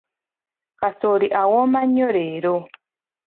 Kasooli awooma nnyo leero.